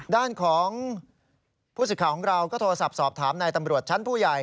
ด้านของผู้สิทธิ์ของเราก็โทรศัพท์สอบถามนายตำรวจชั้นผู้ใหญ่